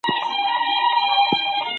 ښوونکي باید زده کوونکي تل وهڅوي.